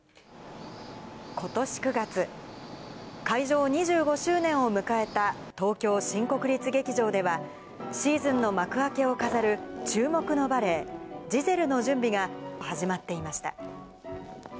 ことし９月、開場２５周年を迎えた、東京・新国立劇場では、シーズンの幕開けを飾る注目のバレエ、ジゼルの準備が始まっていました。